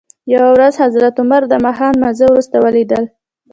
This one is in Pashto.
یوه ورځ حضرت عمر دماښام لمانځه وروسته ولید ل.